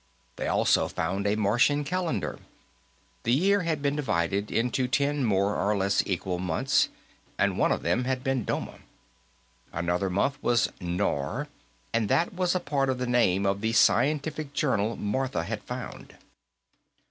They also found a Martian calendar; the year had been divided into ten more or less equal months, and one of them had been Doma. Another month was Nor, and that was a part of the name of the scientific journal Martha had found.